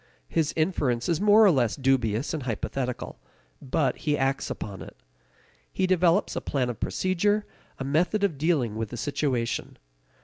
His inference is more or less dubious and hypothetical. But he acts upon it. He develops a plan of procedure, a method of dealing with the situation.